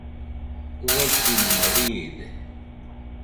Uaikɨñomo riide.